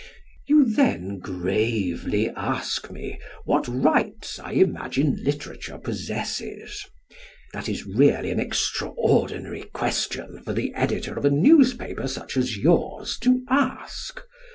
You then gravely ask me what rights I imagine literature possesses. That is really an extraordinary question for the editor of a newspaper such as yours to ask.